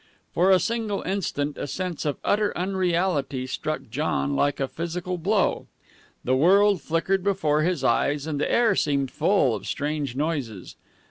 For a single instant a sense of utter unreality struck John like a physical blow. The world flickered before his eyes and the air seemed full of strange noises.